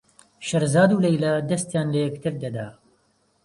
شێرزاد و لەیلا دەستیان لە یەکتر دەدا.